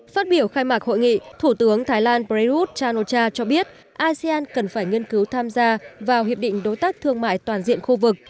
phát biểu khai mạc hội nghị thủ tướng thái lan prayuth chan o cha cho biết asean cần phải nghiên cứu tham gia vào hiệp định đối tác thương mại toàn diện khu vực